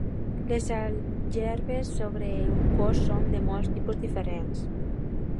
Les àlgebres sobre un cos són de molts tipus diferents.